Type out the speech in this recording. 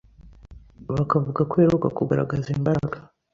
bakavuga ko uheruka kugaragaza imbaraga